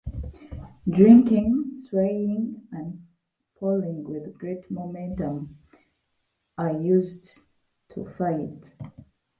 Drinking, swaying, and falling with great momentum are used to fight.